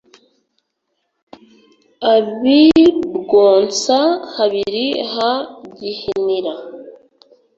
ab’i rwonsa-habiri ha gihinira,